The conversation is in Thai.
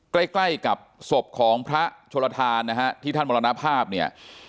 ใกล้ใกล้กับศพของพระโชลทานนะฮะที่ท่านมรณภาพเนี่ย